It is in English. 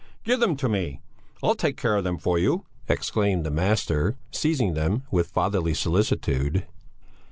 "Give them to me, I'll take care of them for you," exclaimed the master, seizing them with fatherly solicitude.